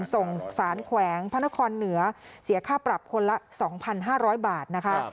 ส่งสารแขวงพระนครเหนือเสียค่าปรับคนละ๒๕๐๐บาทนะคะ